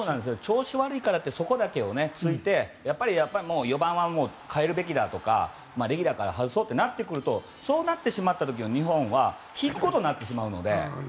調子悪いからってそこだけを突いて４番は変えるべきだとかレギュラーから外そうとなってしまった場合の日本は引くことになるので。